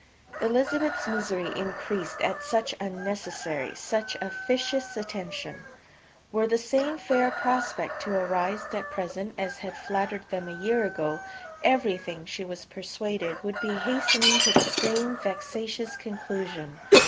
Elizabeth's misery increased at such unnecessary, such officious attention! Were the same fair prospect to arise at present, as had flattered them a year ago, everything, she was persuaded, would be hastening to the same vexatious conclusion.